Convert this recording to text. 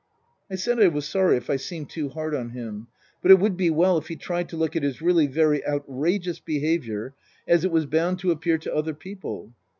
I said I was sorry if I seemed too hard on him. But it would be well if he tried to look at his really very outrageous behaviour as it was bound to appear to other people.